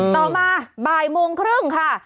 ต่อมาบ่ายโมงครึ่งค่ะ